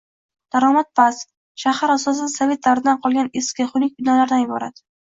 daromad past, shahar asosan sovet davridan qolgan eski, xunuk binolardan iborat.